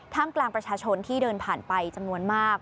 กลางประชาชนที่เดินผ่านไปจำนวนมาก